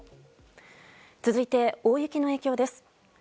続いて、大雪の影響です。